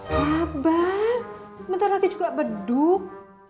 sabar bentar lagi juga beduk